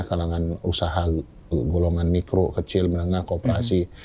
kalangan usaha golongan mikro kecil menengah kooperasi